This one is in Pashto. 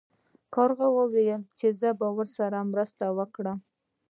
کارغې وویل چې زه به درسره مرسته وکړم.